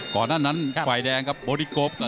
ก่อนนั้นนั้นไฟแดงครับบอดี้โกรฟ